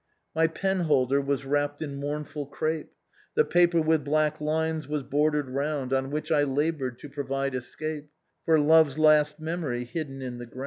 *' My penholder was wrapped in mournful crape, The paper with black lines was bordered round On which I labored to provide escape For love's last memory hidden in the ground.